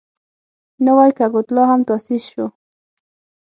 نوی کګوتلا هم تاسیس شو.